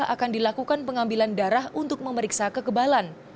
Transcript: akan dilakukan pengambilan darah untuk memeriksa kekebalan